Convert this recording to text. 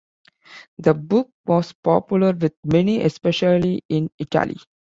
The book was popular with many, especially in Italy.